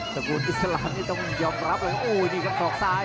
ระกูลอิสลามนี่ต้องยอมรับเลยโอ้ยนี่ครับศอกซ้าย